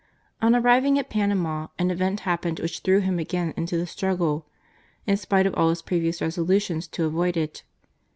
On arriving at Panama an event happened which threw him again into the struggle, in spite of all his previous resolutions to avoid it.